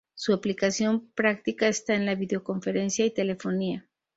Su aplicación práctica está en la videoconferencia y telefonía.